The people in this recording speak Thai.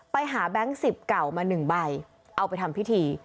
ไปหาแบงก์สิบเก่ามาหนึ่งใบเอาไปทำพิธี